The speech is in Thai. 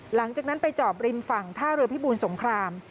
หลังจากนั้นไปจอบริมฝั่งท่าเรือพิบูรสงคราม